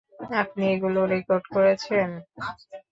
আপনি এগুলো রেকর্ড করেছেন?